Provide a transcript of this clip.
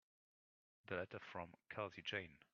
The letter from Kelsey Jane.